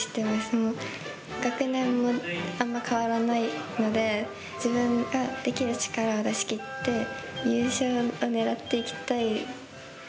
もう、学年もあんま変わらないので、自分ができる力を出し切って、優勝を狙っていきたい。